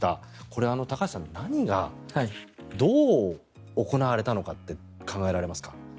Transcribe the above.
これ、高橋さん何が、どう行われたのかって考えられますか？